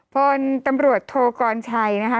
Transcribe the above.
พลตำรวจโทกรชัยนะคะ